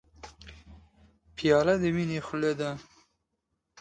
پیاله د مینې خوله ده.